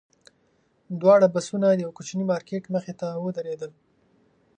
دواړه بسونه د یوه کوچني مارکېټ مخې ته ودرېدل.